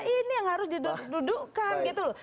ini yang harus didudukkan gitu loh